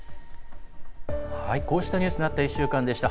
こうしたニュースのあった１週間でした。